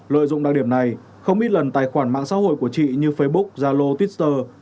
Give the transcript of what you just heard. lợi dụng đặc điểm này không ít lần tài khoản mạng xã hội của chị như facebook zalo twitter